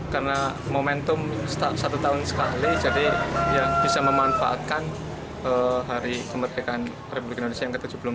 karena momentum satu tahun sekali jadi bisa memanfaatkan hari kemerdekaan ri ke tujuh puluh empat ini pertempatan di tujuh belas agustus sebelum akad terus upacara dulu